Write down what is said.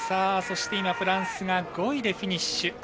そしてフランスが５位でフィニッシュ。